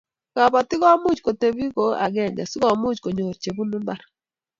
kabatik komuchi kotebi ko akenge sikoimuch konyor chebunu mbar